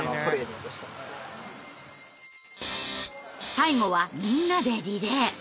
最後はみんなでリレー。